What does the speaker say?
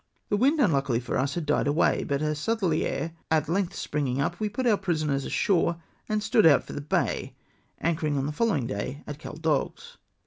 The wind, unluckily for us, had died away, but a southerly air at length springing up, we put our prisoners ashore, and stood out of the bay, anchoring on the following day at Caldagues.